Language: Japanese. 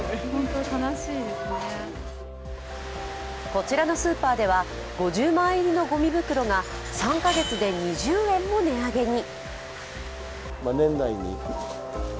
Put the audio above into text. こちらのスーパーでは５０枚入りのごみ袋が３カ月で２０円も値上げに。